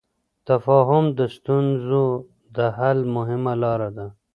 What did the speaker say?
تفاهم د ستونزو د حل مهمه لار ده.